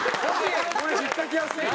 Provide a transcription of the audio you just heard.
これ引っかけやすい。